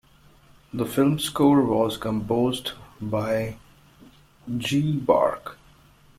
The film score was composed by Ji Bark.